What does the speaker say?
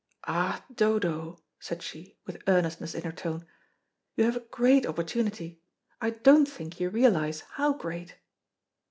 "Ah, Dodo," said she, with earnestness in her tone, "you have a great opportunity I don't think you realise how great."